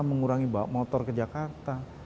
mengurangi bawa motor ke jakarta